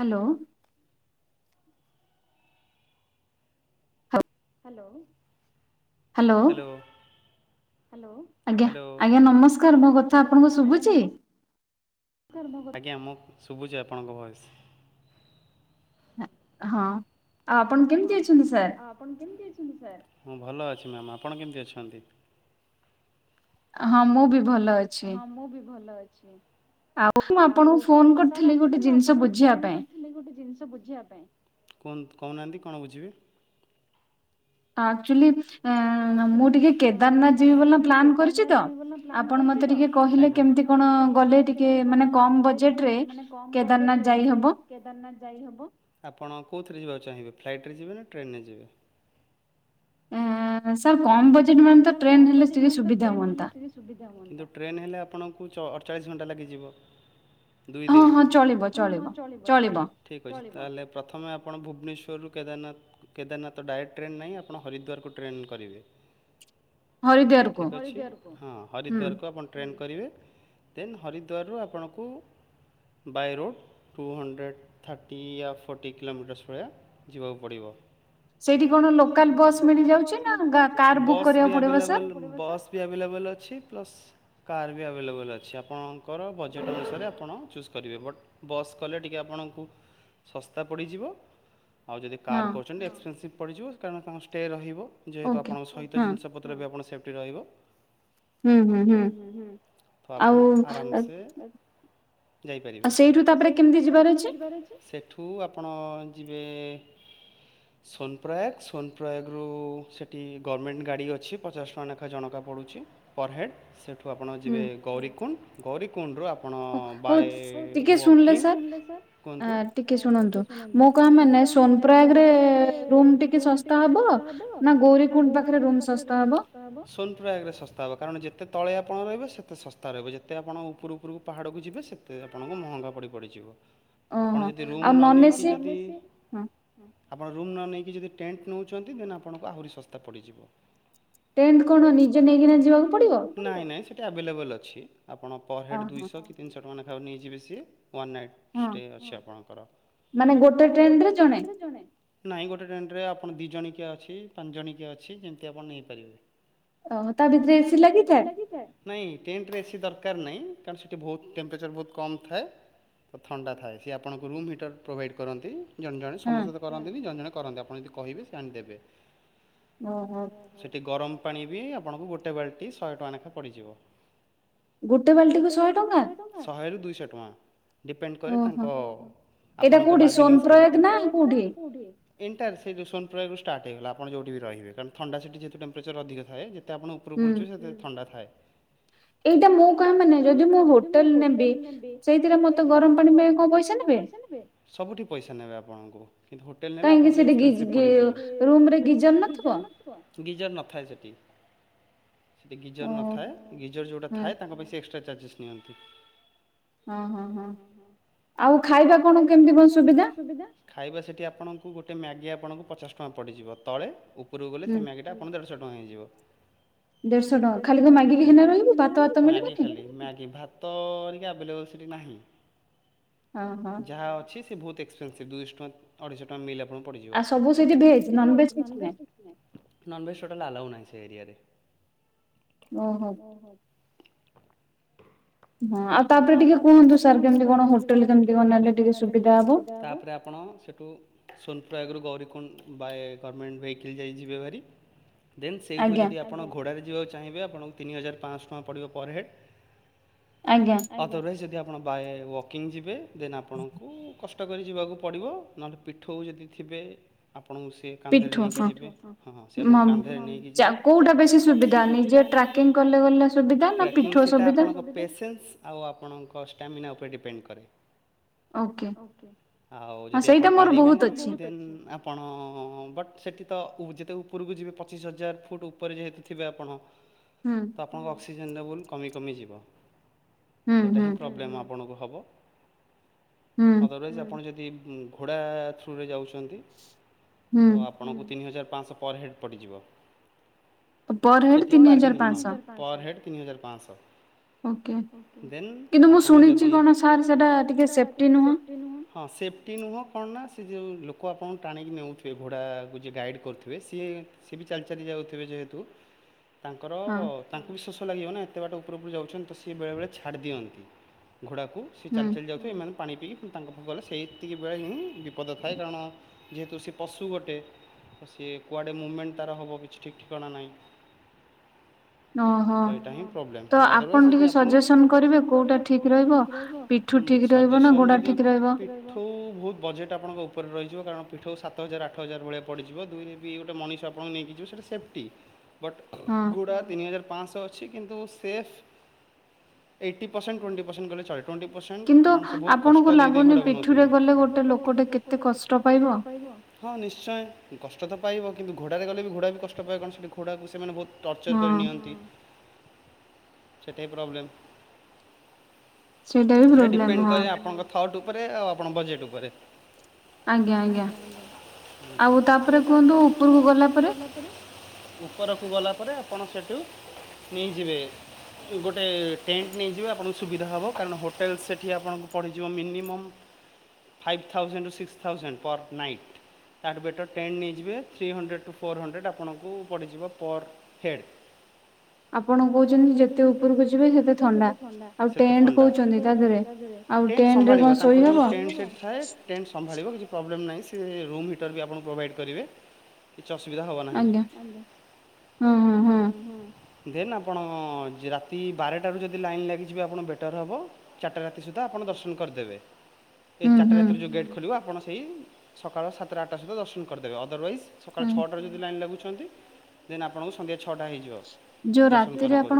Hello. Hello hello. ଆଜ୍ଞା ଆଜ୍ଞା ନମସ୍କାର ମୋ କଥା ଆପଣଙ୍କୁ ଶୁଭୁଚି। ଆଜ୍ଞା ମୁଁ ଶୁଭୁଛି ଆପଣଙ୍କ ଭଏସ। ଏ ହଁ ଆଉ ଆପଣ କେମିତି ଅଛନ୍ତି ସାର୍। ମୁଁ ଭଲ ଅଛି ମ୍ୟାାମ ଆପଣ କେମିତି ଅଛନ୍ତି। ହଁ ମୁଁ ବି ଭଲ ଅ ହଁ ମୁଁ ବି ଭଲ ଅଛି। ଆଉ ସାର ଏକ୍ଟୁଆଲ ର୍ମୁଁ ଆପଣଙ୍କୁ ଫୋନ କରିଥିଲି ଗୋଟେ ଜିନିଷ ବୁଝିବା ପାଇଁ କୁହ କହୁନାହାନ୍ତି କଣ ବୁଝିବେ? ଆକ୍ଚୁଲି ଆକ୍ଚୁଲି ମୁଁ ଟିକେ କେଦାରନାଥ ଯିବି ବ ପ୍ଲାନ୍ କରିଛି ତ? ଆପଣ ମତେ ଟିକେ କହିଲେ କେମିତି କଣ ଗଲେ ଟିକେ ମାନେ କମ୍ ବଜେଟରେ କେଦାରନାଥ ଯାଇହବ। ଆପଣ କେଉଁଥିରେ ଯିବାକୁ ଚାହିଁବେ ଫ୍ଲାଇଟ୍ରିରେ ଯିବେ ନା ଟ୍ରେନରେ ଯିବେ? ଆ ସାର୍ କମ୍ ବଜେଟ୍ ମାନତା ଟ୍ରେନ ହେଲେ ସେ ସୁବିଧା ହୁଅନ୍ତା। କିନ୍ତୁ ଟ୍ରେନ ହେଲେ ଆପଣଙ୍କୁ ଅଠଚାଳିଶ ଘଣ୍ଟା ଲାଗିଯିବ। ଦୁଇ ଦିନ ହଁ ହଁ ଚଳିବ ଚଳିବ। ଠିକ୍ ଅଛି ତାହେଲେ ପ୍ରଥମେ ଆପଣ ଭୁବନେଶ୍ୱରରୁ କେଦାରନାଥ କେଦାରନାଥ ଡାଇରେକ୍ଟ ଟ୍ରେନ୍ ନାହିଁ ଆପଣ ହରିଦ୍ୱାରକୁ ଟ୍ରେନ୍ କରିବେ। ଠିକ ଅଛି ହଁ ହରିଦ୍ଵାର କୁ ଆପଣ ଟ୍ରେନ୍ କରିବେ ଦେନ୍ ହରିଦ୍ୱାରରୁ ଆପଣଙ୍କୁ by road two hundred thirty uh forty kilometres ଭଳିଆ ଯିବାକୁ ପଡ଼ିବ। ସେଠୀ କଣ ଲୋକାଲ ବସ ମିଳିଯାଉଛି ନାଁ, ବସ୍ ବି ଅଭେଲେବୁଲୁ ବସ୍ ବି ଆଭେଲେବଲ୍ ଅଛି ପ୍ଲସ୍ କାର୍ ବି ଆଭେଲେବଲ୍ ଅଛି ଆପଣଙ୍କର ବଜେଟ୍ ଅନୁସାରେ ଆପଣ ଚୁଶ କରିବେ ବଟ୍ ବସ୍ କଲେ ଟିକି ଆପଣଙ୍କୁ ଶସ୍ତା ପଡ଼ିଯିବ। ଆଉ ଯଦି କାର୍ କରହୁଛନ୍ତି ଏକ୍ସପେନ୍ସିଭ୍ ପଡ଼ିଯିବ କାରଣ ତାଙ୍କ ଷ୍ଟେ ରହିବ ଯେହେତୁ ଆପଣଙ୍କ ସହିତ ଜି ପତ୍ର ବି ଆପଣ ସେଫ୍ଟି ରହିବ। ହୁଁ ହୁଁ ହୁଁ ତ ଆପଣ ଆରାମ ସେ ଯାଇପାରିବେ। ସେଇଠୁ ତାପରେ କେମିତି ଯିବାର ଅଛି? ସେଠୁ ଆପଣ ଯିବେ ସୋନ ପ୍ର୍ରୟାଗ ସୋନ ପ୍ର୍ରୟାଗରୁୁ ସେଠି ଗର୍ଣ୍ଣମେଣ୍ଟ ଗାଡି ଅ ଛି ପଚାଶ ଟଙ୍କା ଲେଖାଏ ଜଣଙ୍କକା ପଡ଼ୁଛି ପର୍ ହେଡ଼୍ ସେଠୁ ଆପଣ ଯିବେ ଗୌରୀକୁଣ୍ଡ ଗୌରୀ କୁଣ୍ଡରୁ ଆପଣ ବାଏ ୱ କିଙ୍ଗ କୁହନ୍ତୁ ଆ ଟିକେ ଶୁଣନ୍ତୁ ମୁଁ କହ ମାନେ ସୋନପ୍ରୟାଗରେ ରୁମ ଟିକେ ଶସ୍ତା ହବ? ନା ଗୌରୀ କୁଣ୍ଡ ପାଖରେ ରୁମ୍ ସ ହବ ସୋନ ପ୍ରାୟଗରେ ଶସ୍ତା ହବ କାରଣ ଯେତେ ତଳେ ଆପଣ ରହିବ ସେତେ ଶସ୍ତା ରହିବ। ଯେତେ ଆପଣ ଉପ ଉପରକୁ ପାହାଡ଼କୁ ଯିବେ ସେ ସେତେ ଆପଣଙ୍କୁ ମହଙ୍ଗା ପଡ଼ିପଡ଼ିି ଜିବ। ଆପଣ ଯଦି ରୁମ୍ ନ ନେଇକି ଯଦି ଆପଣ ରୁମ୍ ନ ନେଇକି ଯଦି ଟେଣ୍ଟ ନେଉଛନ୍ତି ଦେନ୍ ଆପଣଙ୍କୁ ଆହୁରି ଶସ୍ତା ପଡ଼ିଯିବ। ଟେଣ୍ଟ କଣ ନିଜେ ନେଇକିନା ଯିବାକୁ ପଡିବ? ନାଇଁ ନାଇଁ ସେଇଟା ଆଭେଲେବଲ୍ ଅଛି ଆପଣ ପର ହେଡ଼୍ ଦୁଇଶହ କି ତିନିଶହ ଟଙ୍କା ନାଖେ ନେଇଯିବେ ସିଏ ୱାନ୍ ନାଇଟ୍। ଷ୍ଟେ ଅଛି ଆପଣଙ୍କ। ମାନେ ଗୋଟେ ଟେଣ୍ଟ ରେ ଜଣେ? ନାହିଁ ଗୋଟେ ଟ୍ରେଣ୍ଟରେ ଆପଣ ଦୁଇ ଜଣିକିଆ ଅଛି। ପାଞ୍ଚ ଜଣିକିଆ ଅଛି। ଯେମିତି ଆପଣ ନେଇପାରିବେ। ଓହ। ତା ଭିତରେ ଏସି ଲାଗିଥାଏ। ନାହିଁ ଟେଣ୍ଟରେ ଏସି ଦରକାର ନାହିଁ କାରଣ ସେଇଠି ବହୁତ ଟେମ୍ପରେଚର ବହୁତ କମ୍ ଥାଏ। ତ ଥଣ୍ଡା ଥାଏ ସିଏ ଆପଣଙ୍କୁ ରୁମ୍ ହିଟର୍ ପ୍ରୋଭାଇଡ଼୍ କରନ୍ତି। ଜଣେ ଜଣେ ସମସ୍ତେ ତ କରନ୍ତିି ଜଣେ ଜଣେ କରନ୍ତି ଆପଣ ଯଦି କହିବେ ସେ ଆଣି ଦେବେ। ଓହୋ। ସେଠି ଗରମ ପାଣି ବି ଆପଣଙ୍କୁ ଗୋଟେ ବାଲ୍ଟି ଶହେ ଟଙ୍କା ଲେଖା ପଡିଯିବ। ଗୋଟେ ବାଲ୍ଟିକୁ ଶହେ ଟଙ୍କା ଶହେରୁ ଦୁଇଶହ ଟଙ୍କା। ଡିପେଣ୍ଟ କରେ ତାଙ୍କ ଆପଣଙ୍କ ବର୍ଗେନିକି ସ୍କିଲ ଉପରେ। ଏଣ୍ଟାର୍ ସେ ସୋନ ପ୍ରୟୋଗରୁ ଷ୍ଟାର୍ଟ ହେଗଲା ଆପଣ ଯୋଉଠି ବି ରହିବେ। କାରଣ ଥଣ୍ଡା ସେଟି ଯେତ ଟମ୍ପେଚର୍ ଅଧିକ ଥାଏ। ଯେତେ ଆପଣ ଉପରୁକୁ ଉପରକୁ ସେତେ ଥଣ୍ଡା ଥାଏ। ଏଇଟା ମୁଁ କହ ମାନେ ଯଦି ମୁଁ ହୋଟେଲ ନେବି ସେଇଥିରେ ମତେ ଗରମ ପାଣି ପାଇଁ କଣ ପଇସା ସବୁଠି ପଇସା ନେବେ ଆପଣଙ୍କୁ। କିନ୍ତ ହୋଟେଲ୍ ନେଲେ ଏକ୍ସସିପ ପଡ଼ିଯିବ ରୁମ୍ ରେ ଯିବେନି ନାଁ? କୁଅ ଗିଜର୍ ନଥାଏ ସେଟି। ଏଠି ଗିଜର୍ ନଥାଏ ଗିଜର ଯଉଟା ଥାଏ ତାଙ୍କ ପାଇଁ ସେ ଏକ୍ସଟ୍ରା ଚାର୍ଜେସ୍ ନିଅନ୍ତି। ହଁ ହଁ ହଁ ଆଉ ଖାଇବା କଣ କେମିତି କଣ ସୁବିଦା। ଖାଇବା ସେଠି ଆପଣଙ୍କୁ ଗୋଟେ ମ୍ୟାଗି ଆପଣଙ୍କୁ ପଚାଶ ଟଙ୍କା ପଡ଼ିଯିବ ତଳେ ଉପରକୁ ଗଲେ ସେ ମ୍ୟାଗିଟା ପନ୍ଦରସ ଟଙ୍କା ହେଇଯିବ। ପନ୍ଦଶ ଟଙ୍କା ଖାଲି କଣ ମ୍ୟାଗି [unintelligible] ମ୍ୟାଗି ଖାଲି ମ୍ୟାଗି ଭା ତ ହେରିକା ଅଭେଲେବୁଲ ସେଠି ନାହିଁ ଯାହା ଅଛି ସେ ବହୁତ୍ ଏକ୍ସପେସିଭ ଦୁଇଶହ ଟଙ୍କା ଅଢେଇଶହ ଟଙ୍କା ମିଲ୍ଲ ଆପଣଙ୍କୁ ପଡିଯିବ। ଆ ସବୁ ସେଠି ଭେଜ ନନ୍ ଭେଜ କିଛି ନାଇଁ? ନନ୍ ଭେଜ ଟୋଟାଲ ଆଲାଉ ନାହିଁ ସେ ଏରିଆାରେ। ଓହୋ। ହଁ ଆଉ ତାପରେ ଟିକେ କୁହନ୍ତୁ ସାର୍ କେମିତି କଣ ହୋଟେଲ କେମିତି କଣ ନେଲେ ଟିକେ ସୁବି ତା ପରେ ଆପଣ ସେଟୁ ସୋନପୁର ଆଗରୁ ଗୌରିକୁଣ୍ଡ ବା ଗର୍ମେଣ୍ଟ ଭେକ ଯାଇ ଯିବେ ଭାରି ଦେନ୍ ସେଇଠୁ ଯଦି ଆପଣ ଘୋଡ଼ାରେ ଯିବାକୁ ଚାହିଁବେ ଆପଣଙ୍କୁ ତିନି ହଜାର ପାଞ୍ଚଶହ ଟଙ୍କା ପଡ଼ିବ ପର ହେଡ଼୍। ଆଜ୍ଞା। ଅଦରୱାଇଜ୍ ଯଦି ଆପଣ ବାଏ ୱାକିଙ୍ଗ ଯିବେ ଦେନ୍ ଆପଣଙ୍କୁ କଷ୍ଟ କରି ଯିବାକୁ ପଡ଼ିବ ନହେଲେ ପିଠଉ ଯଦି ଥିବେ ଆପଣଙ୍କୁ ସେ କାନ୍ଧରେ ନେଇକି ଯିବେ ହଁ ସେ ଆପଣଙ୍କୁ କାନ୍ଧରେ ନେଇକି ଯିବେ କୋଉଟା ବେଶୀ ସୁବିଧା ଟ୍ରାକିଙ୍ଗ କଲେ ଲେଗ ଟ୍ରାକିଙ୍ଗ ସେଟା ଆପଣଙ୍କ ପେସେସ୍। ଆଉ ଆପଣଙ୍କ ଷ୍ଟାମିନା ଉପରେ ଡିପେଣ୍ଡ କରେ। ଠକେ ଆଉ ଯଦି ଆପଣ ପାରିବେନି ଦେନ୍ ଆପଣ ବଟ୍ ସେଠି ତ ଉ ଯେତେ ଉପୁରୁକୁ ଯିବେ ପଚିଶି ହଜାର ଫୁଟ୍ ଉପରେ ଯେହେତୁଥିବେ ଆପଣ। ହୁଁ। ଆପଣଙ୍କ ଅକ୍ସିଜେନ୍ ଲେବୁଲ୍ କମି କମି ଯିବ ସେଟା ହିଁ ପ୍ରୋବ୍ଲେମ୍ ଆପଣଙ୍କୁ ହେବ। ଅଦରୱାଇଜ୍ ଆପଣ ଯଦି ଘୋଡ଼ା ଥ୍ରୁରେ ଯାଉଛନ୍ତି ତଆପ ଆପଣଙ୍କୁ ତିନି ହଜାର ପାଞ୍ଚଶହ ପର ହେଡ଼୍ ପଡ଼ିଯିବ। ସେଠି ବାର୍ଗେନିଙ୍ଗ ହଁ। ପର ହେଡ଼୍ ତିନି ହଜାର ପାଞ୍ଚଶହ। ଠକେ ଦେନ୍ ଆପଣ ଯଦି ସାର୍ ମୁଁ ଶୁଣିଚି କଣ ସାର୍ ସେଟା ଟିକେ ସେପ୍ଟି ନୁହଁ। ହଁ ସେଫ୍ଟି ନୁହଁ କଣ ନା ସେ ଯେଉଁ ଲୋକ ଆପଣଙ୍କୁ ଟାଣିକି ନେଉଥିବେ ଘୋଡ଼ାକୁ ଯିଏ ଗାଇଡ଼୍ କରୁଥିବେ ସିଏ ସିଏବି ଚାଲି ଚାଲି ଯାଉଥିବେ ଯେହେତୁ ତାଙ୍କର ତାଙ୍କୁ ବି ଶୋଷ ଲାଗିବ ନା ଏତେ ବାଟ ଉପରୁ ଉପରୁ ଯାଉଛନ୍ତି ତ କି ବେଳେ ବେଳେ ଛାଡି ଦିଅନ୍ତି ଘୋଡାକୁ ସେ ଚାଲି ଚାଲି ଯାଉଥି ଏମାନେ ପାଣି ପିଇ ତାଙ୍କ ପାଖକୁ ଗଲେ ସେତିକି ବେଳେ ହିଁ ବିପଦ ଥାଏ କାରଣ ଯେହେତୁ ସେ ପଶୁ ଗୋଟେ ସିଏ କୁଆଡ଼େ ମୁମେଣ୍ଟ ତାର ହବ କିଛି ଠିକ୍ ଠିକଣା ନାଇଁ। [unintelligible] ଏଇଟା ହିଁ ପ୍ରୋବ୍ଲେମ ଅଦର ୱାଇଜ୍ ଯଦି ଆପ ଆପଣ ଟିକେ ସଜେସନ କରିବେ କୋଉଟା ଠିକ୍ ରହିବ। ପିଠଉ ବହୁତ୍ ବଜେଟ୍ ଆପଣଙ୍କ ଉପରେ ରହିଯିବ କାରଣ ପିଠଉ ସାତ ହଜାର ଆଠ ହଜାର ଭଳିଆ ପଡିଯିବ ଦୁଇରେ ବି ଗୋଟେ ମଣିଷ ଆପଣଙ୍କୁ ନେଇକି ଯିବେ ସେଟା ସେଫ୍ଟି। ବଟ୍ ଘୋଡା ତିନି ହଜାର ପାଞ୍ଚଶହ ଅଛି କିନ୍ତୁ safe eighty percent twenty percent କଲେ ଚଳବ। ଟ୍ୱଣ୍ଟି ପସେଣ୍ଟ କାରଣ ସେ ବହୁତ୍ କଷ୍ଟ ଦେଇ ଦେଇ ଘୋଡା କୁ ନଉଥିବେ। ହଁ ନିଶ୍ଚୟେ କଷ୍ଟ ତ ପାଇବ କିନ୍ତୁ ଘୋଡ଼ାରେ ଗଲେ ବି ଘୋଡ଼ା ବି କଷ୍ଟ ପାଏ କଣ ସେଠି ଘୋଡ଼ାକୁ ସେମାନେ ବହୁତ ଟର୍ଚର୍ କରି ନିଅନ୍ତି ସେଟା ବି ପ୍ରୋବ୍ଲେମ୍। ସେଟା ଡିପେଣ୍ଡ କରେ ଆପଣଙ୍କ ଥଟ୍ ଉପରେ ଆଉ ଆପଣଙ୍କ ବଜେଟ୍ ଉପରେ। ଆଜ୍ଞା ଆଜ୍ଞା ହୁଁ ଆଉ ତାପରେ କୁହନ୍ତୁ ଉପୁରୁକୁ ଗଲାପରେ। ଉପରକୁ ଗଲା ପରେ ଆପଣ ସେଠୁ ନେଇଯିବେ ଗୋଟେ ଟେଣ୍ଟ ନେଇଯିବେ ଆପଣଙ୍କୁ ସୁବିଧା ହବ କାରଣ ହୋଟେଲ୍ ସେଠି ଆପଣଙ୍କୁ ପଡ଼ିଯିବ minimum five thousand two six thousand per night. ତାଠୁ ବେଟର୍ ଟେନ୍ ନେଇଯିବେ three hundred two four hundred ଆପଣଙ୍କୁ ପଡ଼ିଯିବ ପର୍ ହେଡ଼୍। [inaudible] ଆପଣ କୋହୁଚନ୍ତି ଯେତେ ସେତେ ଥଣ୍ଡା ଟେନ୍ଟ୍ ସମ୍ଭାଳିବ ତାଙ୍କର ଯୋଉ ଟେନ୍ଟ୍ ସେ ଥାଏ ଟେଣ୍ଟ୍ ସମ୍ଭାଳିବ କିଛି ପ୍ରୋବ୍ଲେମ୍ ନାହିଁ ସେ ରୁମ୍ ହିଟର୍ ବି ଆପଣ ପ୍ରୋଭାଇଡ଼୍ କରିବେ। କିଛି ଅସୁବିଧା ହେବ ନାହିଁ। ଦେନ୍ ଆପଣ ରାତି ବାରଟାରୁ ଯୋଦି ଲାଇନ୍ ଲାଗିଯିବେ ଆପଣ ବେଟର୍ ହେବ ଚାରିଟା ରାତି ସୁଦ୍ଧା ଆପଣ ଦର୍ଶନ କରିଦେବେ। ଏଇ ଚାର୍ଟା ରାତିରୁ ଯୋଉ ଗେଟ୍ ଖୋଲିବ ଆପଣ ସେହି ସକାଳ ସାତଟା ଆଠଟା ସୁଧା ଦର୍ଶନ କରିଦେବେ ଅଦରୱାଇଜ୍ ସକାଳ ଛଅଟାରେ ଯଦି ଲାଇନ୍ ଲାଗୁଛନ୍ତି ଦେନ୍ ଆପଣଙ୍କୁ ସନ୍ଧ୍ୟା ଛଅଟା ହେଇ ଯିବ ଦର୍ଶନ କରୁ କରୁ।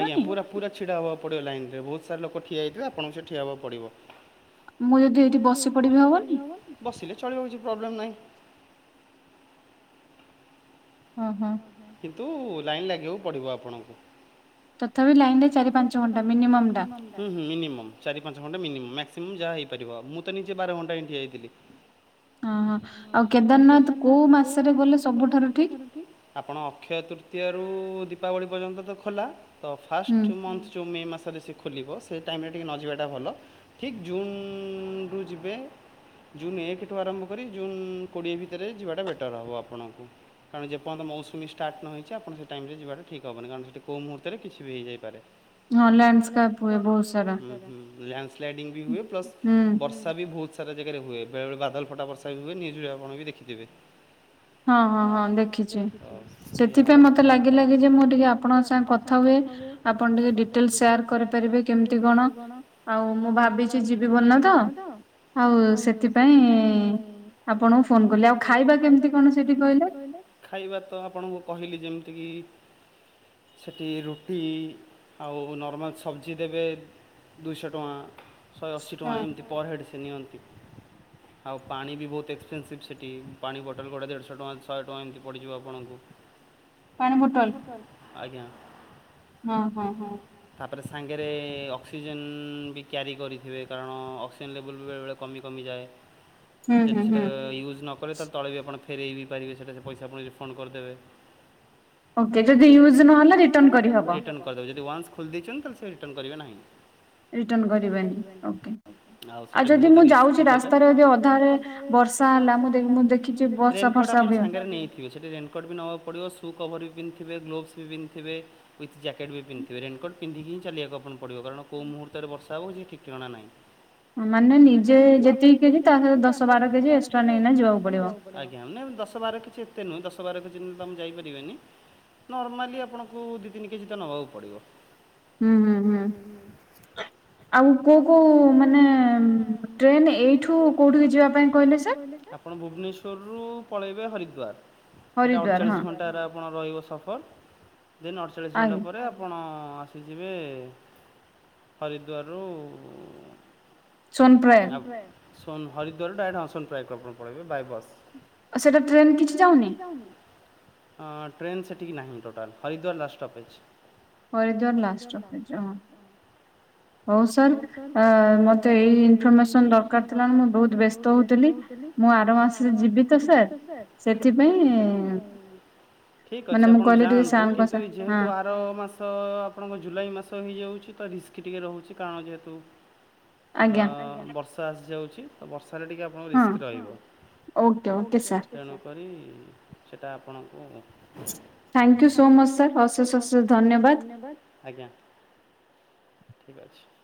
ଆଜ୍ଞା ପୁରା ପୁରା ଛିଡା ହବାକୁ ପଡିବ ଲାଇନ ରେ ବହୁତ ସାରା ଲ ଠିଆଇଥିଲେ ଆପଣଙ୍କୁ ସେ ଠିଆ ହବାକୁ ପଡିବ। ବସିଲେ ଚଳିବ କିଛି ପ୍ରୋବ୍ଲେମ୍ ନାହିଁ। ହଁ ହଁ। କିନ୍ତୁ ଲାଇନ୍ ଲାଗିବାକୁ ପଡିବ ଆପଣଙ୍କୁ। ସେତଳେ ଲାଇନ୍ ରେ ଚରିି ପଞ୍ଚ ଘଣ୍ଟା ମିନିମମ୍ ହୁଁହୁଁ ମିନିମମ୍ ଚାରି ପାଞ୍ଚ ଘଣ୍ଟା ମିନିମ୍ ମାକ୍ସିମମ୍ ଯାହା ହେଇପାରିବ ମୁଁ ତ ନିଜେ ବାର ଘଣ୍ଟା ହିଁ ଠିଆ ହେଇଥିଲି। ହଁ ହଁ ଆଉ କେଦାରନାଥ କୋଉ ମାସରେ ଗଲେ ସବୁଠାରୁ ଠିକ୍? ଆପଣ ଅକ୍ଷୟ ତୃତୀୟ ରୁ ଦୀପାବଳି ପର୍ଯ୍ୟନ୍ତ ତ ଖୋଲା। ତ ଫାଷ୍ଟ୍ ମନ୍ଥ୍ ଯୋଉ ମେ ମାସରେ ସି ଖୋଲିବ ସେ ଟାଇମ୍ ରେ ଟିକେ ନ ଯିବାଟା ଭଲ ଠିକ୍ ଜୁନ୍ ରୁ ଯିବେ। ଜୁନ୍ ଏକଠୁ ଆରମ୍ଭ କରି ଜୁନ୍ କୋଡ଼ିଏ ଭିତରେ ଯିବାଟା ବେଟର୍ ହେବ ଆପଣଙ୍କୁ, କାରଣ ଯେ ପନ୍ତ ମୌସୁମି ଷ୍ଟାର୍ଟ୍ ନ ହେଇଛି ଆପଣ ସେ ଟାଇ ରେ ଯିବାଟ ଠିକ ହବନି କାରଣ ହେଠି କୋଉ ମୁହୁର୍ତ୍ତ ରେ କିଛି ବିଇଯାଇପାରେ। ଲ୍ୟାଣ୍ଡ୍ ସ୍ଲାାଇଡିଙ୍ଗ୍ ବି ହୁଏ ପ୍ଲସ୍ ବର୍ଷ୍ ଷା ବି ଭୋଉତ୍ ସାରା ଜାଗାରେ ହୁଏ ବେଳେ ବାଦ ଫଟ ବର୍ଷା ବି ହୁଏ ନିଉଜୁରେ ଆପଣ ବିଖଥିବେ। ହଁ ହଁ ହଁ ଦେଖି ଦେଖିଚି ମତେ ଲାଗିଲାଗେ ଯେ ମୁଁ ଟିକେ ଆପଣଙ୍କ ସାଙ୍ଗେ କଥା ହୁଏ। ଆପଣ ଟିକେ ଡିଟେଲ୍ ସେୟାର୍ କରିପାରିବେ କେମ୍ତି କଣ। ଆଉ ମୁଁ ଭାବି ସେ ଯିବି ବ ନି ତ। ଆଉ ସେଥିପାଇଁ ଆପଣଙ୍କୁ ଫୋନ୍ କଲି ଆଉ ଖାଇବା କେମ୍ ଖାଇବା ତ ଆପଣଙ୍କୁ କହିଲି ଯେମିତି କି ସେଠି ରୁଟି ଆଉ ନର୍ମାଲ୍ ସବ୍ଜି ଦେବେ। ଦୁଇଶହ ଟଙ୍କା ଶହେ ଅଶୀ ଟଙ୍କା ଏମ୍ତି ପର୍ ହେଡ଼୍ ସେ ନିଅନ୍ତି। ଆଉ ପାଣି ବି ବୋହୁତ୍ ଏସ୍ପେପେନ୍ସିଭ୍ ସେଠି ପାଣି ବଟଲ୍ ଗୁଟେ ଦେଢ଼ଶହ ଟଙ୍କା ଶହେ ଟଙ୍କା ଏମ୍ତି। ପଡ଼ିଯିବ ଆପଣଙ୍କୁ ଆଜ୍ଞା। ହଁ ହଁ ହଁ। ହାତରେ ସାଙ୍ଗେରେ ଅକ୍ସିଜେନ୍ ବି କ୍ୟାରି କରିଥିବେ କାରଣ ଅକ୍ସିଜେନ୍ ଲେବୁଲ୍ ବି ବେଳେବେଳେ କମି କମି ଯାଏ। ଯଦି ସେଇଟା ୟୁଜ୍ ନ କରେ ତା ତଳେ ବି ଆପଣ ଫେରଇ ବି ପାରିବେ ସେଟା ପଇସା ଆପଣ ରିଫଣ୍ଡ୍ କରିଦେବେ ରିଟନ୍ କରିଦେବ ଯଦି ୱାନ୍ସ୍ ଖୋଲିଦେଇଚନି ତ ସିଏ ରିଟନ୍ କରିବେ ନାହିଁ। ଆଉ ଯଦି ମୁଁ ଯାଉଚି ରାସ୍ତାରେ ଯେ ଅଧାରେ ବର୍ଷା ହେଲା ମୁ ଦେ ରେକଡ୍ ଆପଣ ସାଙ୍ଗେରେ ନେଇଥିବେ ସେଠି ରେନକୋଟ୍ ବି ନବାକୁ ପଡ଼ିବ ସୁ କଭର୍ ବିି ପିନ୍ଧିଥିବେ ଗ୍ଲୋବ୍ସ ବି ପିନ୍ଧିିଥିବେ। ୱିଥ୍ ଜ୍ୟାକେଟ୍ ବି ପନ୍ଥିବେ ରେନ୍ କୋଟ୍ ପନ୍ଧିକି ହିଁ ଚାଲିବାକୁ ଆପଣ ପଡ଼ିବ କାରଣ କେଉ ମୁହୁର୍ତ୍ତରେ ବର୍ଷା ହୋଉଚି ଠିକ୍ ଠିକଣା ନାହିଁ। ମାନେ ନିଜେ ଯେତିକି କେଜି ତା ସହି ଦଶ ବାର କେଜି ଏକ୍ସଟ୍ରା ନେଇକିନା ଯିବାକୁ ପଡିବ। ଆଜ୍ଞା ନ ଦଶ ବାର କିଛି ଏତେ ନୁହଁ ଦଶ ବାର କେଜି ତ ଆମେ ଯାଇପାରିବାନି। ନର୍ମାଲି ଆପଣଙ୍କୁ ଦି ତିନି କେଜିତ ନବାକୁ ପଡିବ‌। ହୁଁ ହୁଁ ହୁଁ। ଆଉ କୋଉ କୋଉ ମାନେ ଟ୍ରେନ ଏଇଠୁ କୋଉଠିିକି ଯିବା ପାଇଁ କହିଲେ ସେ? ଆପଣ ଭୁବନେଶ୍ୱରରୁ ପଳେଇବେ ହରିଦ୍ୱାର। ସେଇଟା ଅଡ଼ଚାଳିଶ ଘଣ୍ଟାରେ ଆପଣ ରହିବ ସଫ ଫର୍। ଦେନ ଅଠଚାଳିଶ ଘଣ୍ଟା ପରେ ଆପଣ ଆସିଯିବେ ହରିଦ୍ୱାରରୁ ସୋନ ହରିଦ୍ୱାରଟା ସୋନ୍ ପ୍ରାୟ କୁ ଆପଣ ପଳାଇବେ ବାଏ ବସ୍। ସେଇଟା ଟ୍ରେନ କିଛି ଯାଉନି? ହଁ ଟ୍ରେନ୍ ସେଠିକି ନାହିଁ total. Haridwar last stoppage. Haridwar last stoppage. ଅ ହଁ। ହଉ ସାର୍ ଆ ମୋତେ ଏଇ ଇନଫର୍ମେସନ୍ ଦରକାର ଥିଲା ମୁଁ ବହୁତ ବ୍ୟସ୍ତ ହେଉଥିଲି ମୁଁ ଆର ମାସରେ ଯିବି ତ ସାର୍ ସେଥିପାଇଁ ଠିକ୍ ଅଛି ଆପଣ ଯାଆନ୍ତୁ କିନ୍ତୁ ଯେହେତୁ ଆ ଆର ମାସ ଆପଣଙ୍କ ଜୁଲାଇ ମାସ ହେଇଯାଉଚି ତ ରିସ୍କ ଟିକେ ରହୁଚି। କାରଣ ଯେହେତୁ ଲା ବର୍ଷା ଆସିଯାଉଚି ତ ବର୍ଷା ରେ ଟିକେ ରିସ୍କ ରହିବ। ତେଣୁ କରି ସେଇଟା ଆପଣଙ୍କୁ ଥ୍ୟାଙ୍କୟୁ ସୋ ମଚ ସାର୍। ଅଶେଷ ଅଶେଷ ଧନ୍ୟବାଦ। ଆଜ୍ଞା ଠିକ୍ ଅଛି।